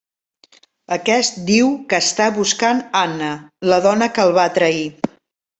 Aquest diu que està buscant Anna, la dona que el va trair.